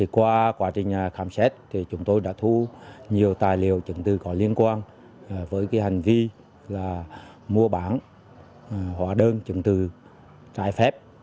qua quá trình khám xét chúng tôi đã thu nhiều tài liệu chứng từ có liên quan với hành vi mua bán hóa đơn chứng từ trái phép